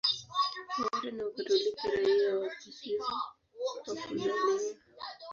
Wote ni Wakatoliki raia wa Uswisi kwa kuzaliwa.